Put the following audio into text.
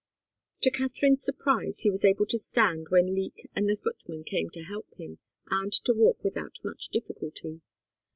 To Katharine's surprise, he was able to stand when Leek and the footman came to help him, and to walk without much difficulty.